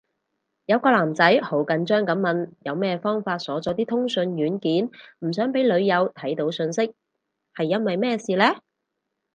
有個男仔好緊張噉問有咩方法鎖咗啲通訊軟件，唔想俾女友睇到訊息，係因為咩事呢？